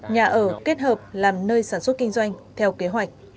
nhà ở kết hợp làm nơi sản xuất kinh doanh theo kế hoạch